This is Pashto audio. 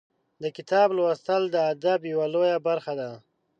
د کتاب لوستل د ادب یوه لویه برخه ده.